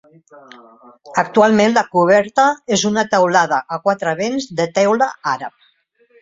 Actualment la coberta és una teulada a quatre vents de teula àrab.